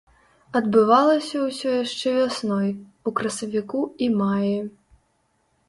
Адбывалася ўсё яшчэ вясной, у красавіку і маі.